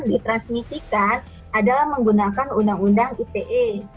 ditransmisikan adalah menggunakan undang undang ite